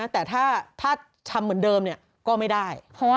แต่ถ้าทำเหมือนเดิมก็ไม่ได้